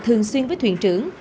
thường xuyên với thuyền trưởng